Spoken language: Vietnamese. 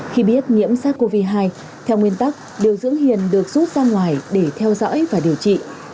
khi biết nhiễm sars cov hai theo nguyên tắc điều dưỡng hiền được rút ra ngoài để theo dõi và điều trị